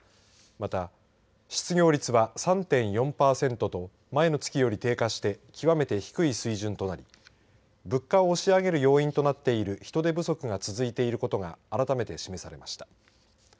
また失業率は３．４パーセントと前の月より低下して極めて低い水準となり物価を押し上げる要因となっている人手不足が続いていることが改めて示されました。